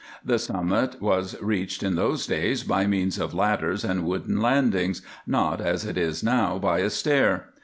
The summit was reached in those days by means of ladders and wooden landings—not, as it is now, by a stair.